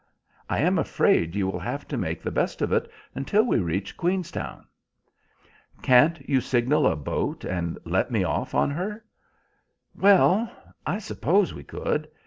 I am afraid you will have to make the best of it until we reach Queenstown." "Can't you signal a boat and let me get off on her?" "Well, I suppose we could.